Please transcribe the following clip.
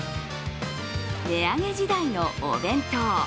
値上げ時代のお弁当。